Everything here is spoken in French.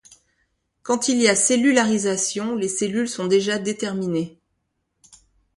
Quand il y a cellularisation les cellules sont déjà déterminées.